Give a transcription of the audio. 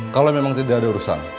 kalau memang tidak ada urusan